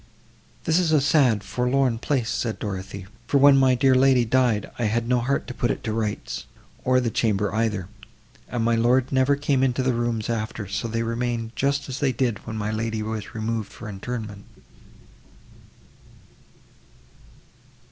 "This is a sad forlorn place!" said Dorothée, "for, when my dear lady died, I had no heart to put it to rights, or the chamber either; and my lord never came into the rooms after, so they remain just as they did when my lady was removed for interment."